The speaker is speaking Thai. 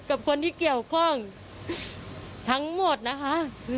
กับคนที่เกี่ยวข้องทั้งหมดนะคะ